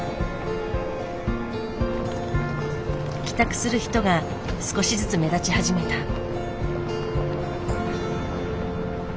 帰宅する人が少しずつ目立ち始めた。